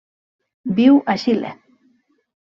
Viu a Xile.